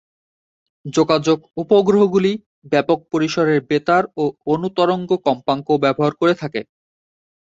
যোগাযোগ উপগ্রহগুলি ব্যাপক পরিসরের বেতার ও অণুতরঙ্গ কম্পাঙ্ক ব্যবহার করে থাকে।